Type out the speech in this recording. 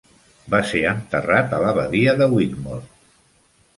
Va ser enterrat a l'Abadia de Wigmore.